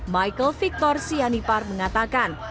michael victor sianipar mengatakan